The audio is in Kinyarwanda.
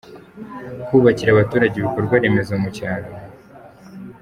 Kubakira abaturage ibikorwa remezo mu cyaro.